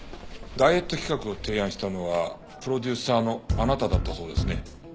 ダイエット企画を提案したのはプロデューサーのあなただったそうですね。